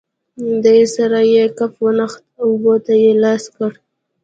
دې سره یې کپ ونښت، اوبو ته یې لاس کړ.